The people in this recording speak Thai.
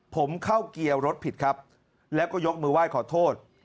ผมเข้าเกียร์รถผิดครับแล้วก็ยกมือไหว้ขอโทษ